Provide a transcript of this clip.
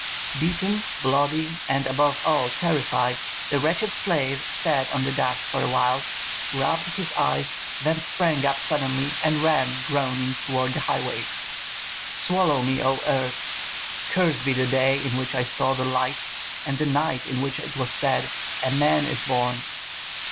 Beaten, bloody, and above all terrified, the wretched slave sat on the sand for a while, rubbed his eyes, then sprang up suddenly and ran groaning toward the highway, "Swallow me, O earth! Cursed be the day in which I saw the light, and the night in which it was said, 'A man is born!'